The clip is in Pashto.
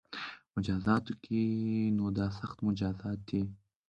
مجازاتو کې نو دا سخت مجازات دي